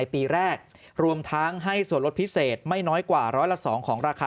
ปีแรกรวมทั้งให้ส่วนลดพิเศษไม่น้อยกว่าร้อยละ๒ของราคา